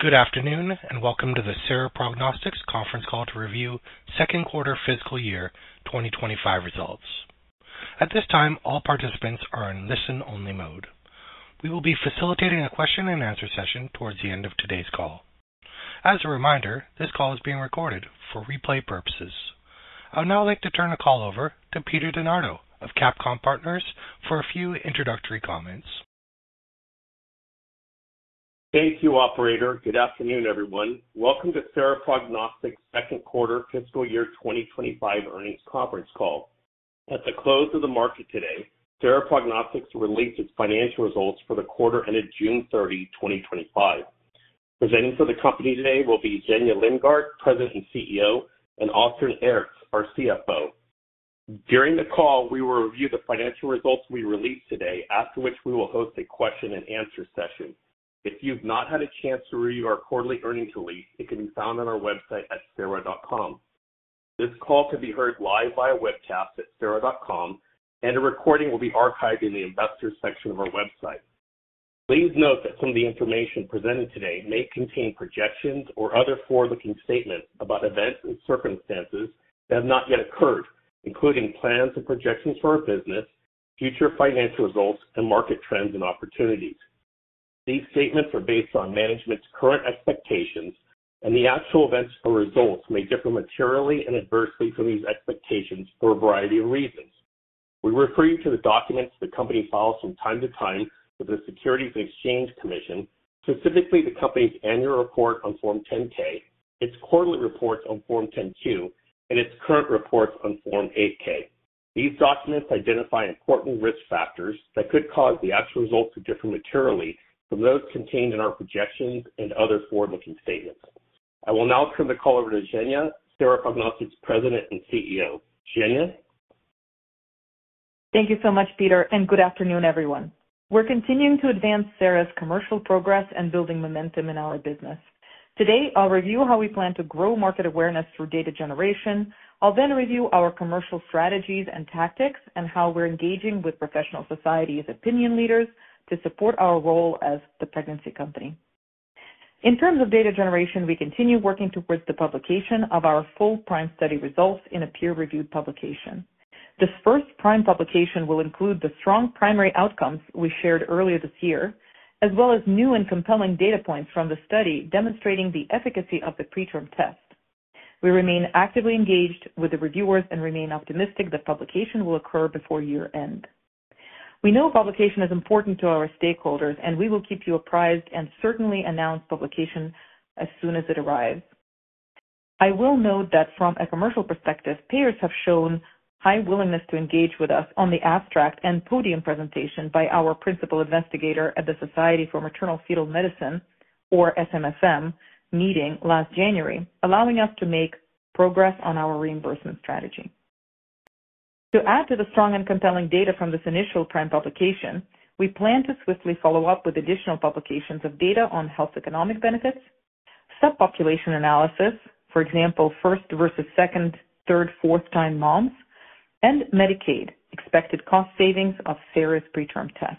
Good afternoon and welcome to the Sera Prognostics Conference Call to review second quarter fiscal year 2025 results. At this time, all participants are in listen-only mode. We will be facilitating a question and answer session towards the end of today's call. As a reminder, this call is being recorded for replay purposes. I would now like to turn the call over to Peter DeNardo of CapCom Partners for a few introductory comments. Thank you, operator. Good afternoon, everyone. Welcome to Sera Prognostics' Second Quarter Fiscal Year 2025 Earnings Conference Call. At the close of the market today, Sera Prognostics released its financial results for the quarter ended June 30, 2025. Presenting for the company today will be Zhenya Lindgardt, President and CEO, and Austin Aerts, our CFO. During the call, we will review the financial results we released today, after which we will host a question and answer session. If you have not had a chance to review our quarterly earnings release, it can be found on our website at sera.com. This call can be heard live via webcast at sera.com, and the recording will be archived in the investor section of our website. Please note that some of the information presented today may contain projections or other forward-looking statements about events and circumstances that have not yet occurred, including plans and projections for our business, future financial results, and market trends and opportunities. These statements are based on management's current expectations, and the actual events or results may differ materially and adversely from these expectations for a variety of reasons. We refer you to the documents the company files from time to time with the Securities and Exchange Commission, specifically the company's annual report on Form 10-K, its quarterly reports on Form 10-Q, and its current reports on Form 8-K. These documents identify important risk factors that could cause the actual results to differ materially from those contained in our projections and other forward-looking statements. I will now turn the call over to Zhenya, Sera Prognostics' President and CEO. Zhenya? Thank you so much, Peter, and good afternoon, everyone. We're continuing to advance Sera's commercial progress and building momentum in our business. Today, I'll review how we plan to grow market awareness through data generation. I'll then review our commercial strategies and tactics and how we're engaging with professional societies' opinion leaders to support our role as the pregnancy company. In terms of data generation, we continue working towards the publication of our full PRIME Study results in a peer-reviewed publication. This first PRIME publication will include the strong primary outcomes we shared earlier this year, as well as new and compelling data points from the study demonstrating the efficacy of the PreTRM Test. We remain actively engaged with the reviewers and remain optimistic that publication will occur before year-end. We know publication is important to our stakeholders, and we will keep you apprised and certainly announce publication as soon as it arrives. I will note that from a commercial perspective, payers have shown high willingness to engage with us on the abstract and podium presentation by our principal investigator at the Society for Maternal-Fetal Medicine, or SMFM, meeting last January, allowing us to make progress on our reimbursement strategy. To add to the strong and compelling data from this initial PRIME publication, we plan to swiftly follow up with additional publications of data on health economic benefits, subpopulation analyses, for example, first versus second, third, fourth-time moms, and Medicaid expected cost savings of Sera's PreTRM Test.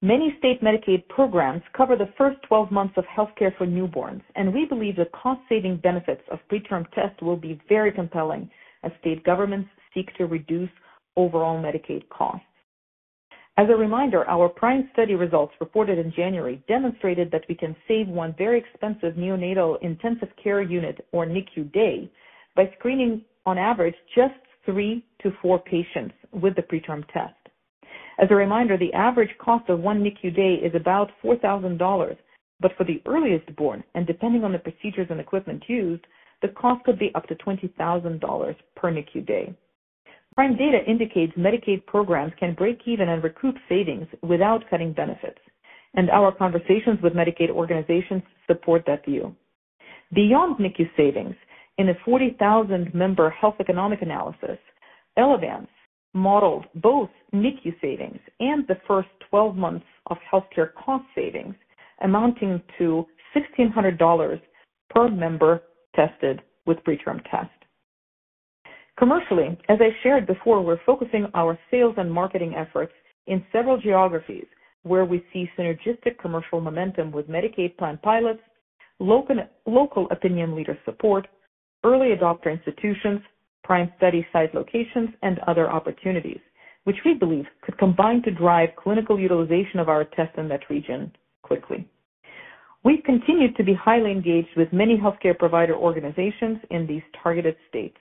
Many state Medicaid programs cover the first 12 months of healthcare for newborns, and we believe the cost-saving benefits of PreTRM Test will be very compelling as state governments seek to reduce overall Medicaid costs. As a reminder, our PRIME Study results reported in January demonstrated that we can save one very expensive neonatal intensive care unit, or NICU, day by screening on average just 3-4 patients with the PreTRM Test. As a reminder, the average cost of one NICU day is about $4,000, but for the earliest born, and depending on the procedures and equipment used, the cost could be up to $20,000 per NICU day. PRIME data indicates Medicaid programs can break even and recoup savings without cutting benefits, and our conversations with Medicaid organizations support that view. Beyond NICU savings, in a 40,000-member health economic analysis, Elevance modeled both NICU savings and the first 12 months of healthcare cost savings amounting to $1,600 per member tested with PreTRM Test. Commercially, as I shared before, we're focusing our sales and marketing efforts in several geographies where we see synergistic commercial momentum with Medicaid plan pilots, local opinion leader support, early adopter institutions, PRIME Study site locations, and other opportunities, which we believe could combine to drive clinical utilization of our test in that region quickly. We've continued to be highly engaged with many healthcare provider organizations in these targeted states.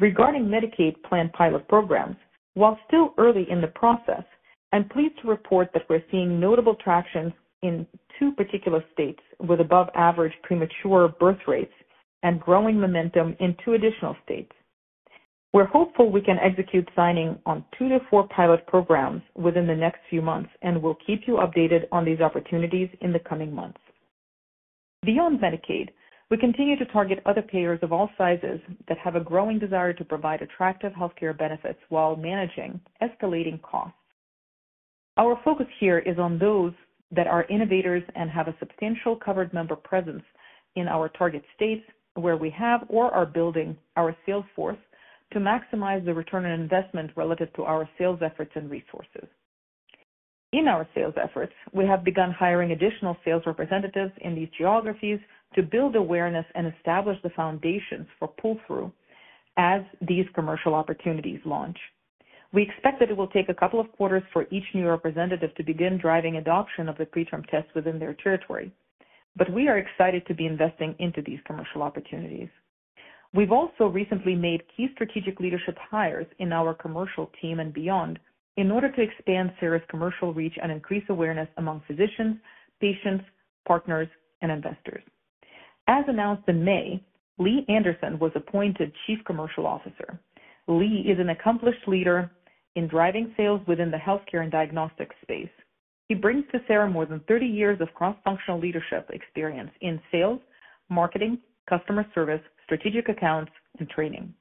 Regarding Medicaid plan pilot programs, while still early in the process, I'm pleased to report that we're seeing notable traction in two particular states with above-average premature birth rates and growing momentum in two additional states. We're hopeful we can execute signing on 2-4 pilot programs within the next few months, and we'll keep you updated on these opportunities in the coming months. Beyond Medicaid, we continue to target other payers of all sizes that have a growing desire to provide attractive healthcare benefits while managing escalating costs. Our focus here is on those that are innovators and have a substantial covered member presence in our target states where we have or are building our sales force to maximize the return on investment relative to our sales efforts and resources. In our sales efforts, we have begun hiring additional sales representatives in these geographies to build awareness and establish the foundations for pull-through as these commercial opportunities launch. We expect that it will take a couple of quarters for each new representative to begin driving adoption of the PreTRM Test within their territory, but we are excited to be investing into these commercial opportunities. We've also recently made key strategic leadership hires in our commercial team and beyond in order to expand Sera Prognostics' commercial reach and increase awareness among physicians, patients, partners, and investors. As announced in May, Lee Anderson was appointed Chief Commercial Officer. Lee is an accomplished leader in driving sales within the healthcare and diagnostics space. He brings to Sera more than 30 years of cross-functional leadership experience in sales, marketing, customer service, strategic accounts, and training.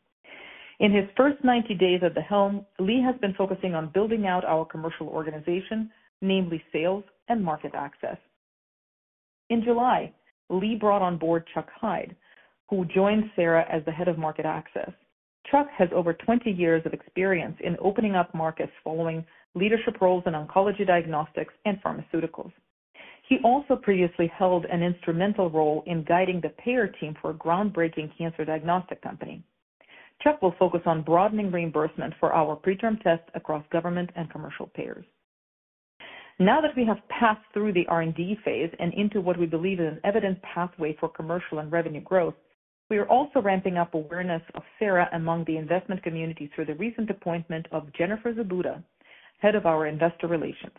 In his first 90 days at the helm, Lee has been focusing on building out our commercial organization, namely sales and market access. In July, Lee brought on board Chuck Hyde, who joined Sera as the Head of Market Access. Chuck has over 20 years of experience in opening up markets following leadership roles in oncology diagnostics and pharmaceuticals. He also previously held an instrumental role in guiding the payer team for a groundbreaking cancer diagnostic company. Chuck will focus on broadening reimbursement for our PreTRM Test across government and commercial payers. Now that we have passed through the R&D phase and into what we believe is an evident pathway for commercial and revenue growth, we are also ramping up awareness of Sera Prognostics among the investment community through the recent appointment of Jennifer Zibuda, Head of our Investor Relations.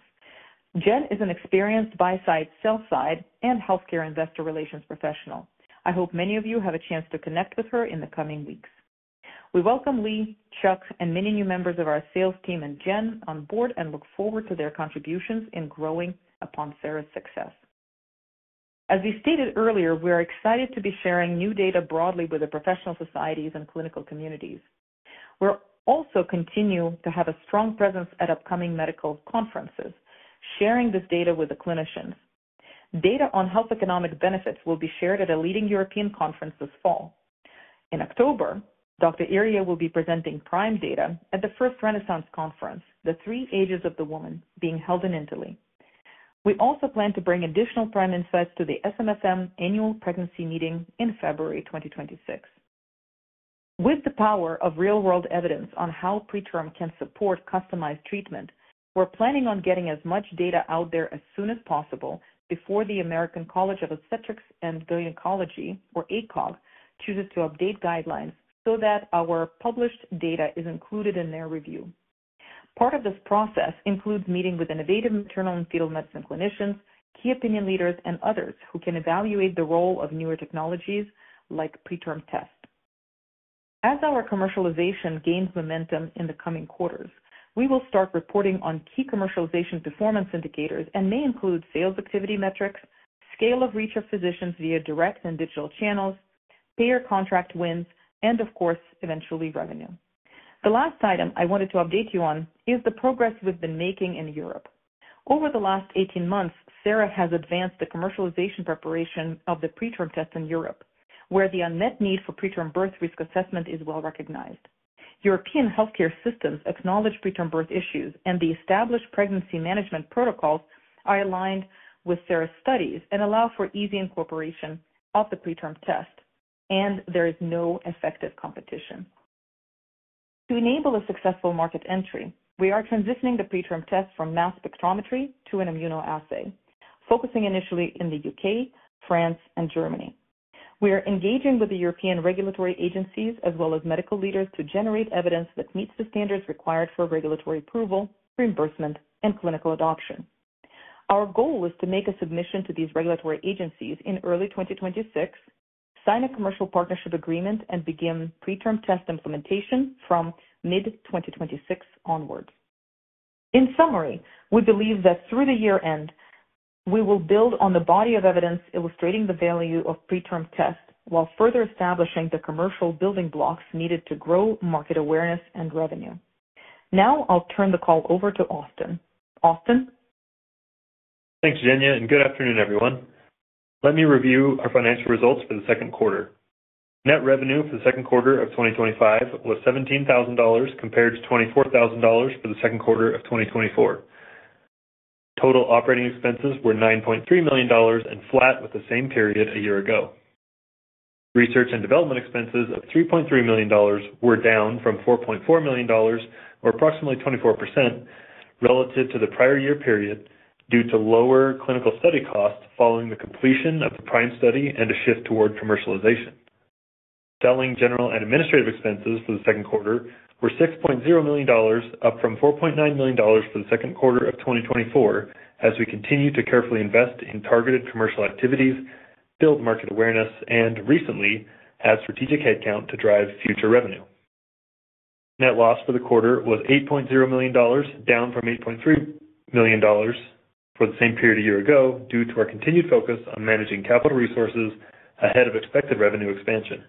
Jen is an experienced buy-side, sell-side, and healthcare investor relations professional. I hope many of you have a chance to connect with her in the coming weeks. We welcome Lee, Chuck, and many new members of our sales team and Jen on board and look forward to their contributions in growing upon Sera's success. As we stated earlier, we are excited to be sharing new data broadly with the professional societies and clinical communities. We will also continue to have a strong presence at upcoming medical conferences, sharing this data with the clinicians. Data on health economic benefits will be shared at a leading European conference this fall. In October, [Dr. Brian Iriye] will be presenting PRIME Study data at the 1st Renaissance Conference: The Three Ages of the Woman, being held in Italy. We also plan to bring additional PRIME insights to the SMFM annual pregnancy meeting in February 2026. With the power of real-world evidence on how PreTRM can support customized treatment, we are planning on getting as much data out there as soon as possible before the American College of Obstetrics and Gynecology, or ACOG, chooses to update guidelines so that our published data is included in their review. Part of this process includes meeting with innovative maternal and fetal medicine clinicians, key opinion leaders, and others who can evaluate the role of newer technologies like PreTRM Test. As our commercialization gains momentum in the coming quarters, we will start reporting on key commercialization performance indicators and may include sales activity metrics, scale of reach of physicians via direct and digital channels, payer contract wins, and of course, eventually revenue. The last item I wanted to update you on is the progress we've been making in Europe. Over the last 18 months, Sera has advanced the commercialization preparation of the PreTRM Test in Europe, where the unmet need for preterm birth risk assessment is well recognized. European healthcare systems acknowledge preterm birth issues, and the established pregnancy management protocols are aligned with Sera Prognostics' studies and allow for easy incorporation of the PreTRM Test, and there is no effective competition. To enable a successful market entry, we are transitioning the PreTRM Test from mass spectrometry to an immunoassay platform, focusing initially in the UK, France, and Germany. We are engaging with the European regulatory agencies as well as medical leaders to generate evidence that meets the standards required for regulatory approval, reimbursement, and clinical adoption. Our goal is to make a submission to these regulatory agencies in early 2026, sign a commercial partnership agreement, and begin PreTRM Test implementation from mid-2026 onward. In summary, we believe that through the year-end, we will build on the body of evidence illustrating the value of PreTRM Tests while further establishing the commercial building blocks needed to grow market awareness and revenue. Now I'll turn the call over to Austin. Austin? Thanks, Zhenya, and good afternoon, everyone. Let me review our financial results for the second quarter. Net revenue for the second quarter of 2025 was $17,000 compared to $24,000 for the second quarter of 2024. Total operating expenses were $9.3 million and flat with the same period a year ago. Research and development expenses of $3.3 million were down from $4.4 million, or approximately 24% relative to the prior year period due to lower clinical study costs following the completion of the PRIME Study and a shift toward commercialization. Selling, general, and administrative expenses for the second quarter were $6.0 million, up from $4.9 million for the second quarter of 2024, as we continue to carefully invest in targeted commercial activities, build market awareness, and recently add strategic headcount to drive future revenue. Net loss for the quarter was $8.0 million, down from $8.3 million for the same period a year ago due to our continued focus on managing capital resources ahead of expected revenue expansion.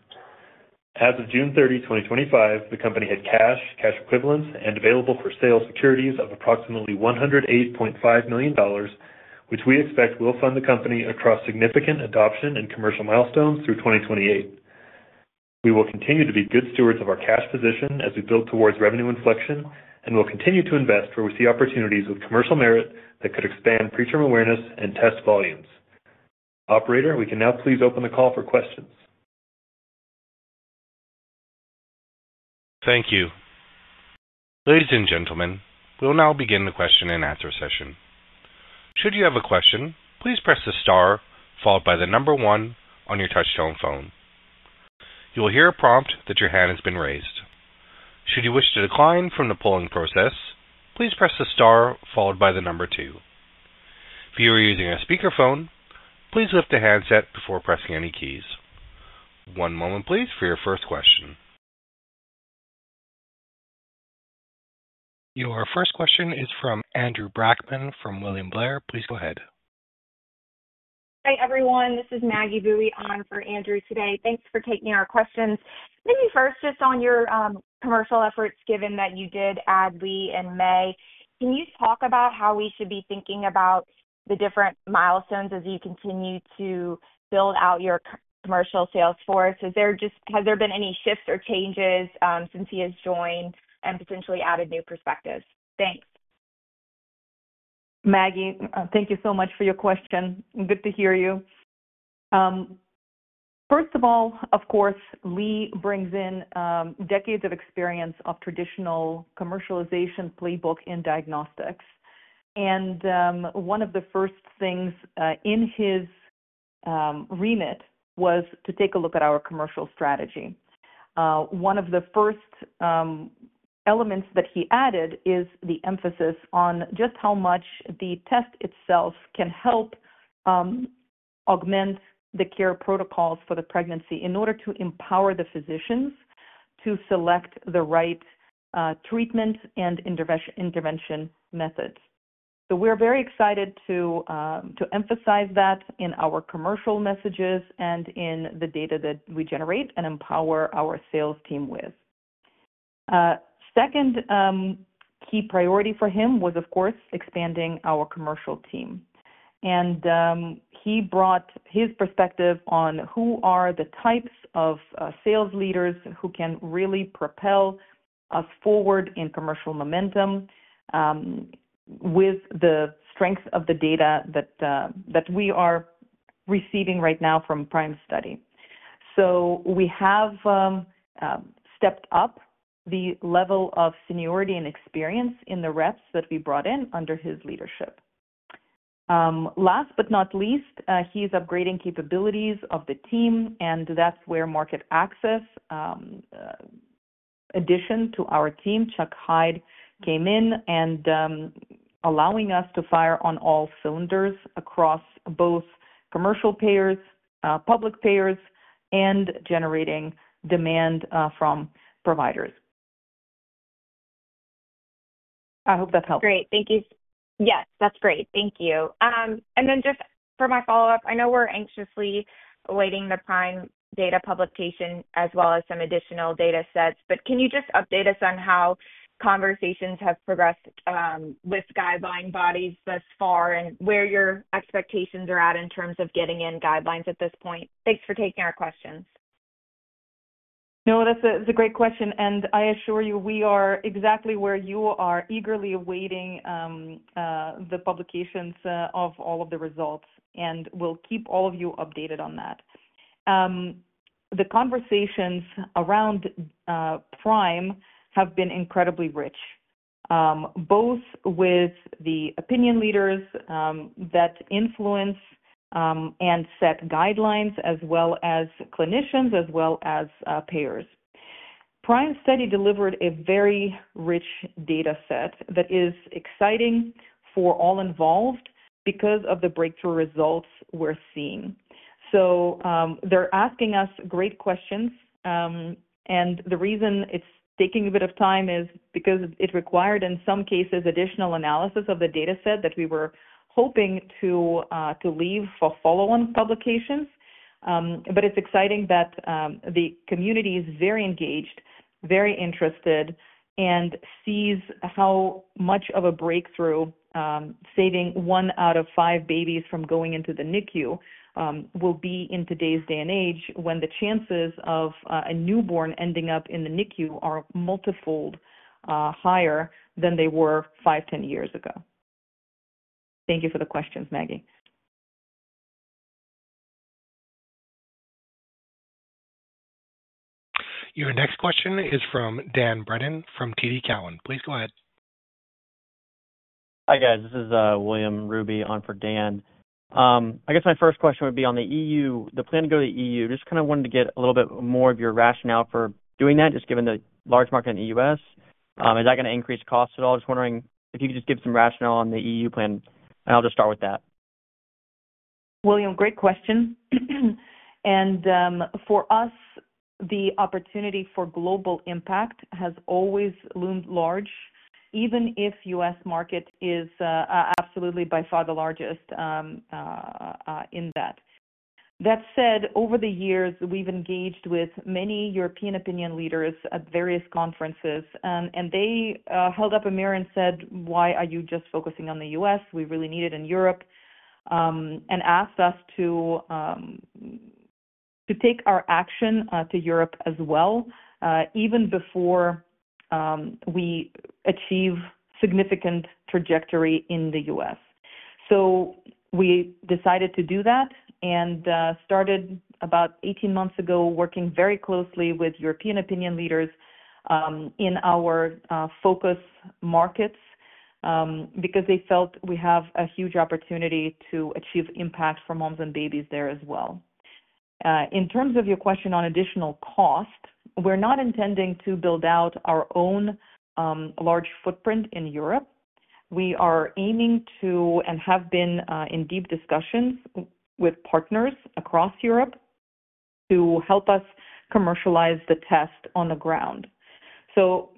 As of June 30, 2025, the company had cash, cash equivalents, and available-for-sale securities of approximately $108.5 million, which we expect will fund the company across significant adoption and commercial milestones through 2028. We will continue to be good stewards of our cash position as we build towards revenue inflection and will continue to invest where we see opportunities with commercial merit that could expand preterm awareness and test volumes. Operator, we can now please open the call for questions. Thank you. Ladies and gentlemen, we'll now begin the question-and-answer session. Should you have a question, please press the star followed by the number one on your touch-tone phone. You will hear a prompt that your hand has been raised. Should you wish to decline from the polling process, please press the star followed by the number two. If you are using a speaker phone, please lift a handset before pressing any keys. One moment, please, for your first question. Your first question is from Andrew Brackman from William Blair. Please go ahead. Hi, everyone. This is Maggie Boeye on for Andrew today. Thanks for taking our questions. Maybe first just on your commercial efforts, given that you did add Lee in May. Can you talk about how we should be thinking about the different milestones as you continue to build out your commercial sales force? Has there been any shifts or changes since he has joined and potentially added new perspectives? Thanks. Maggie, thank you so much for your question. Good to hear you. First of all, of course, Lee brings in decades of experience of traditional commercialization playbook in diagnostics. One of the first things in his remit was to take a look at our commercial strategy. One of the first elements that he added is the emphasis on just how much the test itself can help augment the care protocols for the pregnancy in order to empower the physicians to select the right treatment and intervention methods. We're very excited to emphasize that in our commercial messages and in the data that we generate and empower our sales team with. Second key priority for him was, of course, expanding our commercial team. He brought his perspective on who are the types of sales leaders who can really propel us forward in commercial momentum with the strength of the data that we are receiving right now from PRIME Study. We have stepped up the level of seniority and experience in the reps that we brought in under his leadership. Last but not least, he is upgrading capabilities of the team, and that's where Market Access addition to our team, Chuck Hyde, came in and allowing us to fire on all cylinders across both commercial payers, public payers, and generating demand from providers. I hope that helps. Great. Thank you. Yes, that's great. Thank you. Just for my follow-up, I know we're anxiously awaiting the PRIME data publication as well as some additional data sets, but can you just update us on how conversations have progressed with guideline bodies thus far and where your expectations are at in terms of getting in guidelines at this point? Thanks for taking our questions. No, that's a great question. I assure you, we are exactly where you are, eagerly awaiting the publications of all of the results, and we'll keep all of you updated on that. The conversations around the PRIME have been incredibly rich, both with the opinion leaders that influence and set guidelines, as well as clinicians and payers. The PRIME delivered a very rich data set that is exciting for all involved because of the breakthrough results we're seeing. They are asking us great questions. The reason it's taking a bit of time is because it required, in some cases, additional analysis of the data set that we were hoping to leave for follow-on publications. It's exciting that the community is very engaged, very interested, and sees how much of a breakthrough saving one out of five babies from going into the NICU will be in today's day and age when the chances of a newborn ending up in the NICU are multifold higher than they were five or ten years ago. Thank you for the questions, Maggie. Your next question is from Dan Brennan from TD Cowen. Please go ahead. Hi, guys. This is William Ruby on for Dan. My first question would be on the EU, the plan to go to the EU. I just wanted to get a little bit more of your rationale for doing that, just given the large market in the U.S. Is that going to increase costs at all? I was just wondering if you could give some rationale on the EU plan, and I'll just start with that. William, great question. For us, the opportunity for global impact has always loomed large, even if the U.S. market is absolutely by far the largest in that. That said, over the years, we've engaged with many European opinion leaders at various conferences, and they held up a mirror and said, "Why are you just focusing on the U.S.? We really need it in Europe," and asked us to take our action to Europe as well, even before we achieve a significant trajectory in the U.S. We decided to do that and started about 18 months ago working very closely with European opinion leaders in our focus markets because they felt we have a huge opportunity to achieve impact for moms and babies there as well. In terms of your question on additional cost, we're not intending to build out our own large footprint in Europe. We are aiming to and have been in deep discussions with partners across Europe to help us commercialize the test on the ground.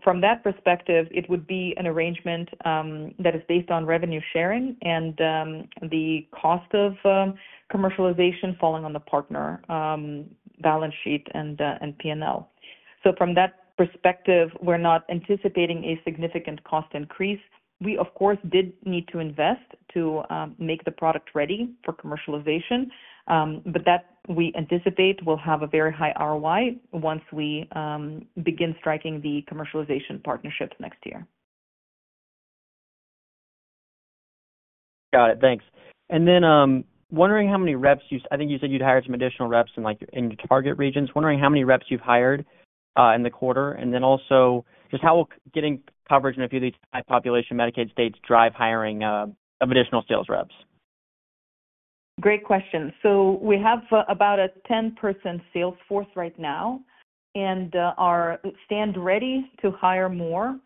From that perspective, it would be an arrangement that is based on revenue sharing and the cost of commercialization falling on the partner balance sheet and P&L. From that perspective, we're not anticipating a significant cost increase. We, of course, did need to invest to make the product ready for commercialization, but that we anticipate will have a very high ROI once we begin striking the commercialization partnership next year. Got it. Thanks. I think you said you'd hired some additional reps in your target regions. Wondering how many reps you've hired in the quarter, and also just how will getting coverage in a few of these high population Medicaid states drive hiring of additional sales reps? Great question. We have about a 10-person sales force right now and are standing ready to hire more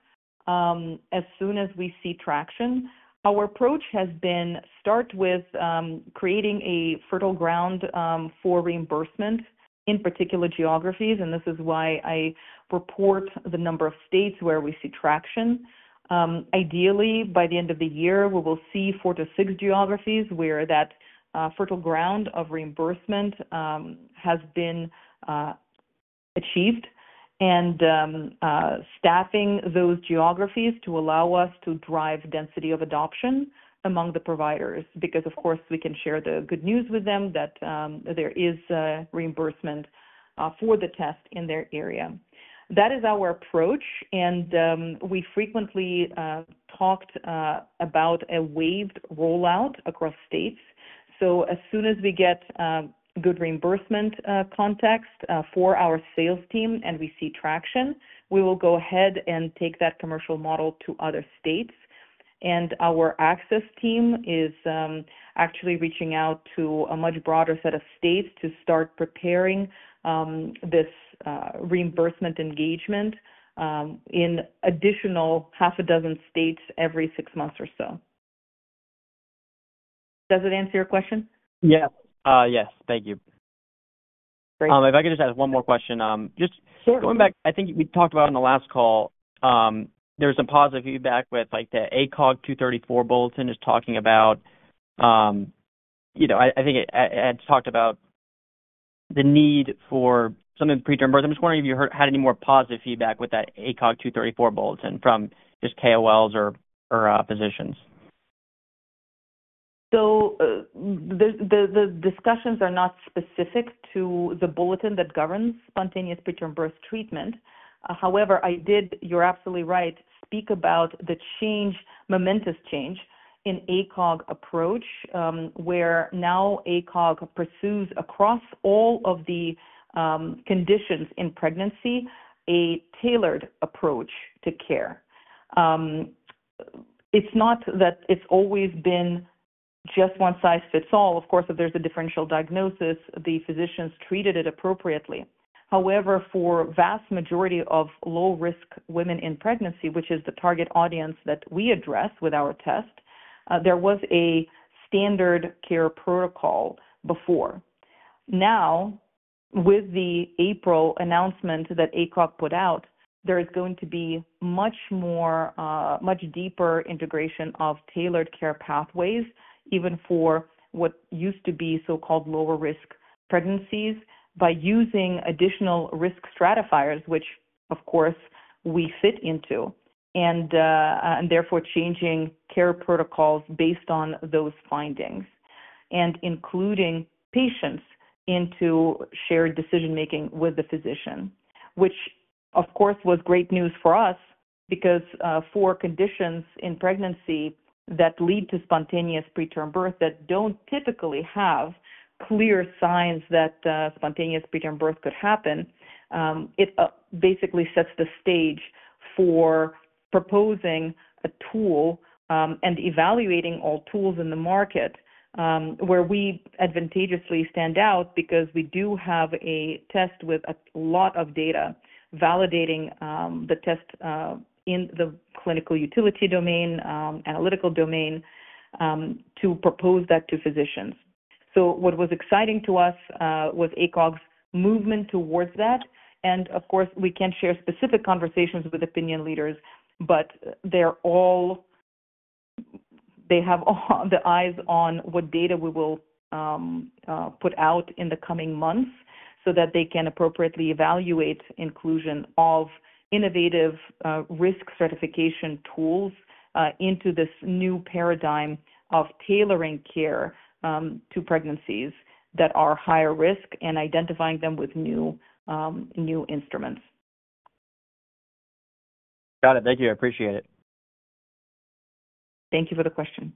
as soon as we see traction. Our approach has been to start with creating a fertile ground for reimbursement in particular geographies, and this is why I report the number of states where we see traction. Ideally, by the end of the year, we will see 4-6 geographies where that fertile ground of reimbursement has been achieved and staffing those geographies to allow us to drive density of adoption among the providers because, of course, we can share the good news with them that there is reimbursement for the test in their area. That is our approach, and we frequently talked about a waved rollout across states. As soon as we get good reimbursement context for our sales team and we see traction, we will go ahead and take that commercial model to other states. Our access team is actually reaching out to a much broader set of states to start preparing this reimbursement engagement in an additional half a dozen states every six months or so. Does it answer your question? Yes. Yes, thank you. Great. If I could just ask one more question. Sure. Just going back, I think we talked about in the last call, there was some positive feedback with the ACOG 234 bulletin just talking about, you know, I think it had talked about the need for some of the preterm birth. I'm just wondering if you heard any more positive feedback with that ACOG 234 bulletin from KOLs or physicians. The discussions are not specific to the bulletin that governs spontaneous preterm birth treatment. You're absolutely right, I spoke about the change, momentous change in ACOG approach, where now ACOG pursues across all of the conditions in pregnancy a tailored approach to care. It's not that it's always been just one size fits all. Of course, if there's a differential diagnosis, the physicians treated it appropriately. For a vast majority of low-risk women in pregnancy, which is the target audience that we address with our test, there was a standard care protocol before. With the April announcement that ACOG put out, there is going to be much more, much deeper integration of tailored care pathways, even for what used to be so-called lower-risk pregnancies by using additional risk stratifiers, which, of course, we fit into, and therefore changing care protocols based on those findings and including patients into shared decision-making with the physician, which, of course, was great news for us because for conditions in pregnancy that lead to spontaneous preterm birth that don't typically have clear signs that spontaneous preterm birth could happen, it basically sets the stage for proposing a tool and evaluating all tools in the market where we advantageously stand out because we do have a test with a lot of data validating the test in the clinical utility domain, analytical domain to propose that to physicians. What was exciting to us was ACOG's movement towards that. We can't share specific conversations with opinion leaders, but they have all the eyes on what data we will put out in the coming months so that they can appropriately evaluate inclusion of innovative risk certification tools into this new paradigm of tailoring care to pregnancies that are higher risk and identifying them with new instruments. Got it. Thank you. I appreciate it. Thank you for the question.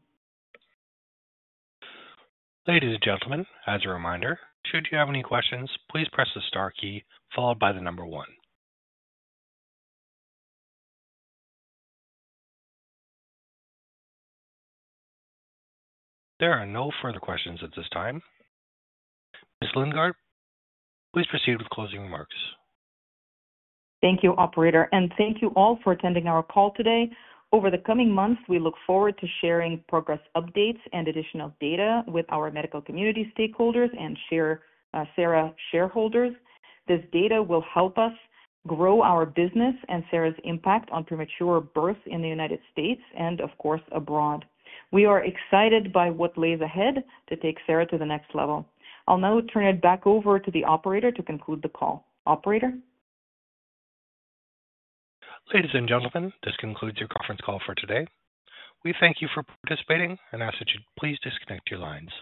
Ladies and gentlemen, as a reminder, should you have any questions, please press the star key followed by the number one. There are no further questions at this time. Ms. Lindgardt, please proceed with closing remarks. Thank you, operator, and thank you all for attending our call today. Over the coming months, we look forward to sharing progress updates and additional data with our medical community stakeholders and Sera shareholders. This data will help us grow our business and Sera's impact on premature births in the United States and, of course, abroad. We are excited by what lies ahead to take Sera to the next level. I'll now turn it back over to the operator to conclude the call. Operator? Ladies and gentlemen, this concludes your conference call for today. We thank you for participating and ask that you please disconnect your lines.